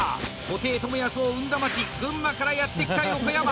布袋寅泰を生んだ町群馬からやって来た横山！